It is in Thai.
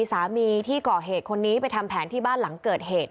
สามีที่ก่อเหตุคนนี้ไปทำแผนที่บ้านหลังเกิดเหตุ